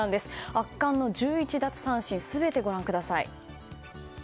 圧巻の１１奪三振全てご覧ください。